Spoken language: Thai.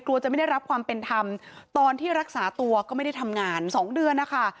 จะไม่ได้รับความเป็นธรรมตอนที่รักษาตัวก็ไม่ได้ทำงานสองเดือนนะคะ